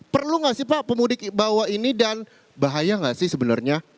perlu nggak sih pak pemudik bawa ini dan bahaya nggak sih sebenarnya